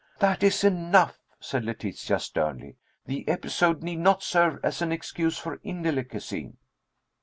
"That is enough," said Letitia sternly. "The episode need not serve as an excuse for indelicacy."